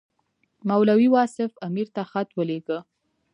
مولوي واصف امیر ته خط ولېږه.